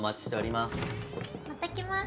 また来ます。